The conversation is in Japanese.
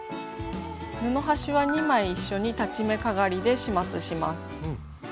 布端は２枚一緒に裁ち目かがりで始末します。